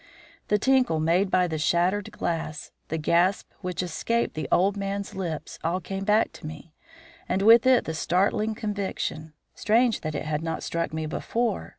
The tinkle made by the shattered glass, the gasp which escaped the old man's lips, all came back to me, and with it the startling conviction strange that it had not struck me before!